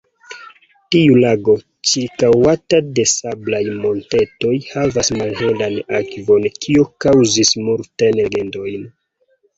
Tiu lago, ĉirkaŭata de sablaj montetoj, havas malhelan akvon, kio kaŭzis multajn legendojn.